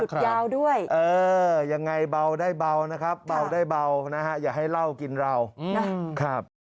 หยุดยาวด้วยนะครับอย่างไรเบาได้เบานะครับอย่าให้เหล้ากินเหล้านะครับ